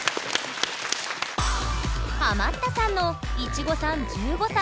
ハマったさんのいちごさん１５歳。